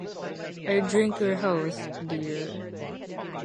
I drink your health, dear.